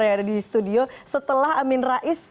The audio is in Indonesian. yang ada di studio setelah amin rais